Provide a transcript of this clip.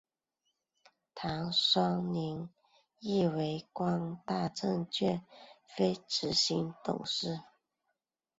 唐双宁亦为光大证券非执行董事。